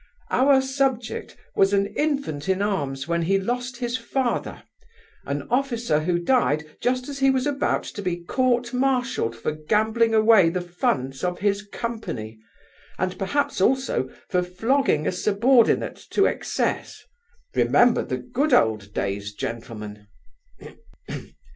Our subject was an infant in arms when he lost his father, an officer who died just as he was about to be court martialled for gambling away the funds of his company, and perhaps also for flogging a subordinate to excess (remember the good old days, gentlemen).